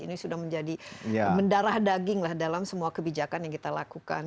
ini sudah menjadi mendarah daging lah dalam semua kebijakan yang kita lakukan